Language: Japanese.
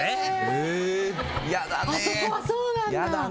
へえ、あそこはそうなんだ！